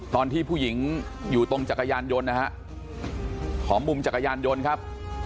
ตอนที่ผู้หญิงอยู่ตรงจักรยานยนต์นะฮะขอมุมจักรยานยนต์ครับ